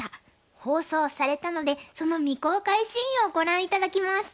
放送されたのでその未公開シーンをご覧頂きます。